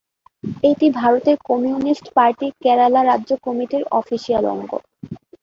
এটি ভারতের কমিউনিস্ট পার্টির কেরালা রাজ্য কমিটির অফিসিয়াল অঙ্গ।